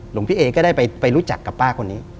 หลวงพี่เอก็ได้ไปรู้จักกับป้าคนนี้